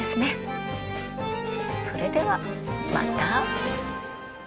それではまた。